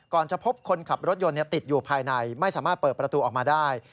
จะพบคนขับรถยนต์ติดอยู่ภายในไม่สามารถเปิดประตูออกมาได้